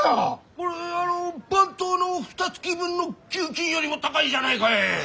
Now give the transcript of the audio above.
これあの番頭のふたつき分の給金よりも高いじゃないかえ！？